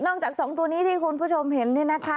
จาก๒ตัวนี้ที่คุณผู้ชมเห็นนี่นะคะ